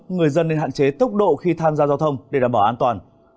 người dân nên hạn chế tốc độ khi tham gia giao thông để đảm bảo an toàn